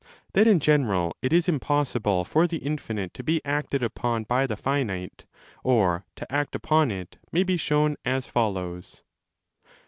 | That in general it is impossible for the infinite to be acted upon by the finite or to act upon it may be shown as follows.